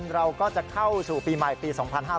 เราก็จะเข้าสู่ปีใหม่ปี๒๕๕๙